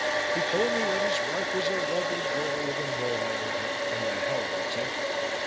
"He told me that his wife was a lovely girl with a mole on her hip and the hell of a temper.